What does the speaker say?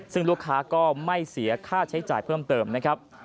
ซึ่งลูกค้าก็ไม่เสียค่าใช้จ่ายเพิ่มเติมนะครับ